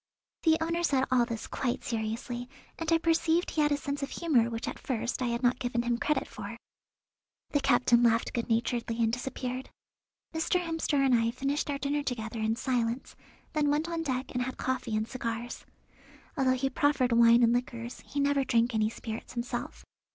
The owner said all this quite seriously, and I perceived he had a sense of humour which at first I had not given him credit for. The captain laughed good naturedly and disappeared. Mr. Hemster and I finished our dinner together in silence, then went on deck and had coffee and cigars. Although he proffered wine and liqueurs he never drank any spirits himself.